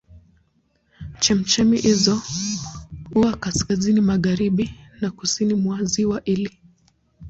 Chemchemi hizo huwa kaskazini magharibi na kusini mwa ziwa hili.